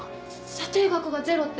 査定額がゼロって